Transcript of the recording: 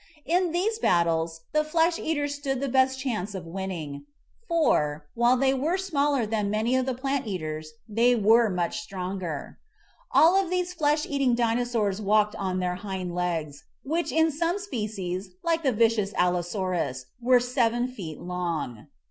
In these battles the flesh eaters stood the best chance of winning ; fon while they were smaller than many of the plant eaters they were much stronger. All of these flesh eating Dinosaurs walked on their hind legs, which in some / species like the vicious Allosaurus were seven feet long.